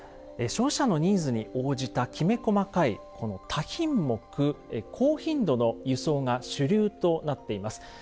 消費者のニーズに応じたきめ細かいこの「多品目・高頻度」の輸送が主流となっています。